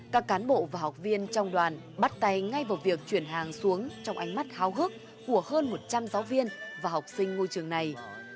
các cán bộ và học viên trong đoàn bắt tay ngay vào việc chuyển hàng xuống trong ánh mắt háo hức của hơn một trăm linh giáo viên và học sinh ngôi trường này